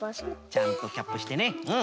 ちゃんとキャップしてねうん。